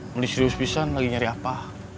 beli sirius pisan lagi nyari apa